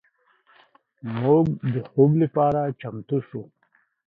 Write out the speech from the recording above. موږ د خوب لپاره چمتو شو.